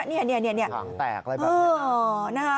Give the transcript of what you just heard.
ถังแตกเลยแบบนี้